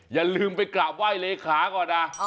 อย่าลืมไปกราบไห้เลขาก่อนนะ